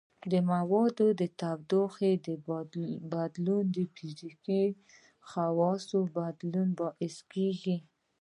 د موادو د تودوخې بدلون د فزیکي خواصو بدلون باعث کیږي.